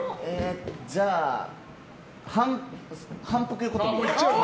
じゃあ反復横跳び。